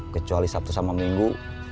kecuali sabtu sama minggu